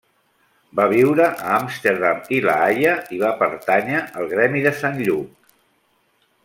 Va viure a Amsterdam i La Haia i va pertànyer al Gremi de Sant Lluc.